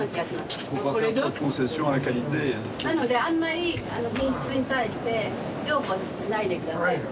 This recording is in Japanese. なのであんまり品質に対して譲歩しないで下さいと。